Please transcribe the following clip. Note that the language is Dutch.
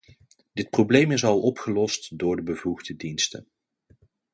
Dit probleem is al opgelost door de bevoegde diensten.